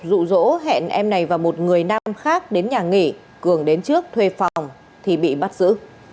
rụ rỗ hẹn em này và một người nam khác đến nhà nghỉ cường đến trước thuê phòng thì bị bắt giữ